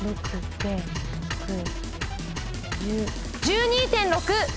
１２．６！